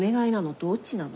どっちなの？